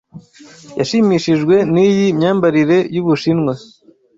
Yashimishijwe niyi myambarire y'Ubushinwa.